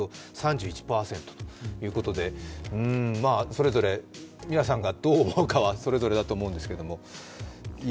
それぞれ皆さんがどう思うかはそれぞれだと思うんですけど。